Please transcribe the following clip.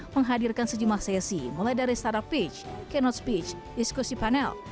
menghadirkan sejumlah sesi mulai dari startup pitch kenote speech diskusi panel